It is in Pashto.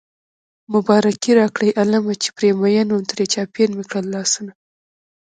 مبارکي راکړئ عالمه چې پرې مين وم ترې چاپېر مې کړل لاسونه